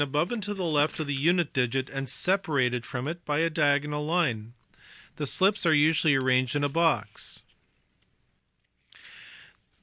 195 above and to the left of the unit digit and separated from it by a diagonal line. The slips are usually arranged in a box.